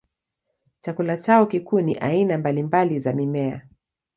Chakula chao kikuu ni aina mbalimbali za mimea.